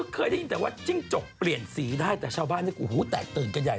เคยได้ยินแต่ว่าจิ้งจกเปลี่ยนสีได้แต่ชาวบ้านแตกตื่นกันใหญ่